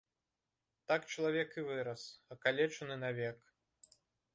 Так чалавек і вырас, акалечаны навек.